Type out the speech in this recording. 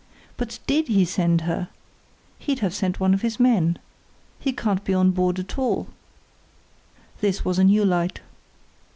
"But did he send her? He'd have sent one of his men. He can't be on board at all." This was a new light.